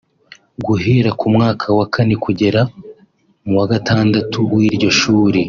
Guhera ku mwaka wa kane kugera mu wa gatandatu w’iryo shuri